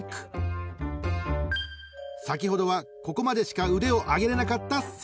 ［先ほどはここまでしか腕を上げれなかった関根さん］